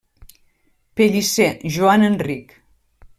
Pellicer, Joan Enric.